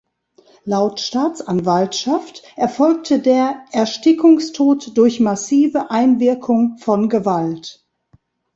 Laut Staatsanwaltschaft erfolgte der „Erstickungstod durch massive Einwirkung von Gewalt“.